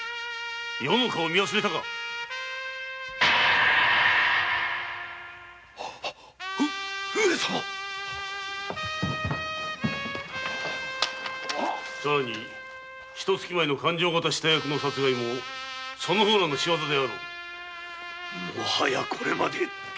余の顔を見忘れたかウウ上様‼一か月前の勘定方下役の殺害もその方らの仕業であろうもはやこれまで。